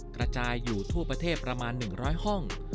กระจายอยู่ทั่วประเทศประมาณ๑๐๐ห้อง